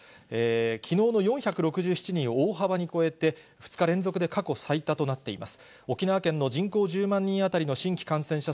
きのうの４６７人を大幅に超えて、２日連続で過去最多となっています。